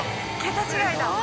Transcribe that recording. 桁違いだ。